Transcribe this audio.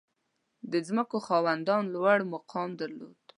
• د ځمکو خاوندان لوړ مقام درلود.